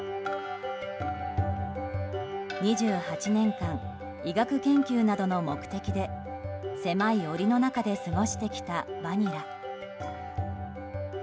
２８年間、医学研究などの目的で狭い檻の中で過ごしてきたバニラ。